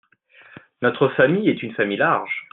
Notre famille est une famille large.